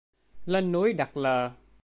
Lên núi đặt lờ